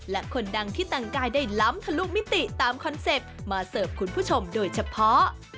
และคนดังที่แต่งกายได้ล้ำทะลุมิติตามคอนเซ็ปต์มาเสิร์ฟคุณผู้ชมโดยเฉพาะ